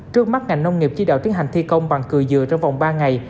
trước mắt ngành nông nghiệp chỉ đạo tiến hành thi công bằng cười dừa trong vòng ba ngày